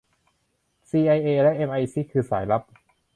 ซีไอเอและเอมไอซิกส์คือสายลับ